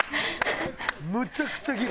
むちゃくちゃギリ。